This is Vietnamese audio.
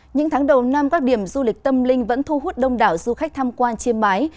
những tháng đầu năm các điểm du lịch tâm linh vẫn thu hút đông đảo du khách tham quan chiêm bái